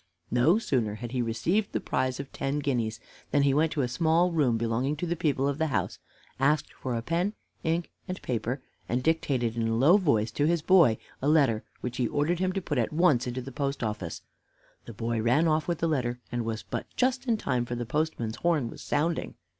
No sooner had he received the prize of ten guineas, than he went to a small room belonging to the people of the house, asked for pen, ink, and paper, and dictated, in a low voice to his boy, a letter, which he ordered him to put at once into the post office. The boy ran off with the letter and was but just in time, for the postman's horn was sounding.